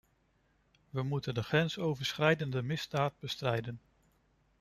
We moeten de grensoverschrijdende misdaad bestrijden.